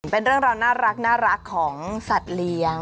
เป็นเรื่องราวน่ารักของสัตว์เลี้ยง